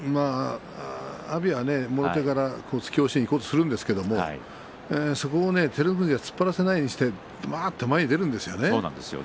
阿炎は突き押しにいこうとするんですがそこを照ノ富士が突っ張らせないようにして前に出るんですよね。